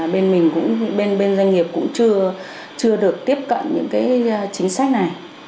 bên mình cũng bên doanh nghiệp cũng chưa được tiếp cận những cái chính sách này